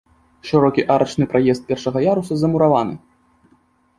Шырокі арачны праезд першага яруса замураваны.